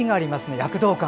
躍動感。